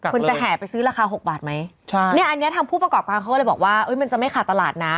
คนจะแห่ไปซื้อราคา๖บาทไหมใช่เนี่ยอันนี้ทางผู้ประกอบการเขาก็เลยบอกว่ามันจะไม่ขาดตลาดนะ